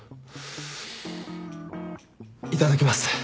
いただきます。